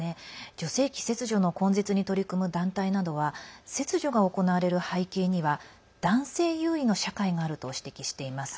女性器切除の根絶に取り組む団体などは切除が行われる背景には男性優位の社会があると指摘しています。